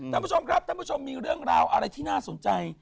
ท่านผู้ชมครับท่านผู้ชมมีเรื่องราวอะไรที่น่าสนใจ